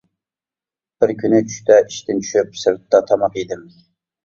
بىر كۈنى چۈشتە ئىشتىن چۈشۈپ سىرتتا تاماق يېدىم.